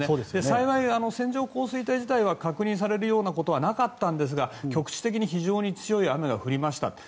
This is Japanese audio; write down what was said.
幸い、線状降水帯自体は確認されるようなことはなかったんですが局地的に非常に強い雨が降りました。